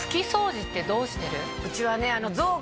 うちはね。